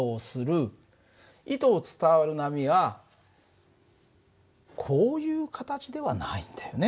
糸を伝わる波はこういう形ではないんだよね。